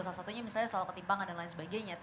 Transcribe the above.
salah satunya misalnya soal ketimpangan dan lain sebagainya